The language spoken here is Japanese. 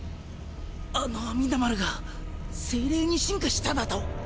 あの阿弥陀丸が精霊に進化しただと！？